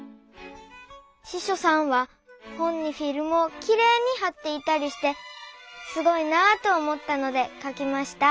ししょさんは本にフィルムをきれいにはっていたりしてすごいなと思ったのでかきました。